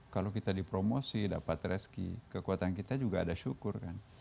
kalau kita dipromosi dapat rezeki kekuatan kita juga ada syukur kan